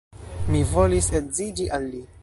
Mi volis edziĝi al li.